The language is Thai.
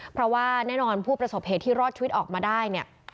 เพราะว่าแน่นอนผู้ประสบเหตุที่รอดชีวิตออกมาได้เนี่ย